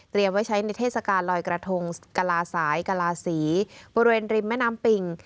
ไว้ใช้ในเทศกาลลอยกระทงกลาสายกลาศรีบริเวณริมแม่น้ำปิง